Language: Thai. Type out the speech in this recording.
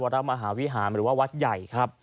วรมหาวิหามหรือว่าวัดใหญ่